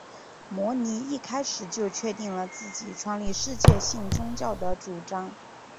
摩尼一开始就确定了自己创立世界性宗教的主张。